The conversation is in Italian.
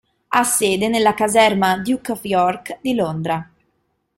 Ha sede nella caserma "Duke of York" di Londra.